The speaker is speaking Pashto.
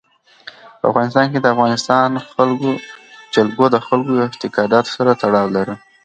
په افغانستان کې د افغانستان جلکو د خلکو د اعتقاداتو سره تړاو لري.